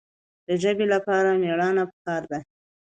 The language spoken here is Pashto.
د ژبې لپاره مېړانه پکار ده.